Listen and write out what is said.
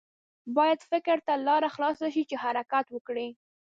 باید فکر ته لاره خلاصه شي چې حرکت وکړي.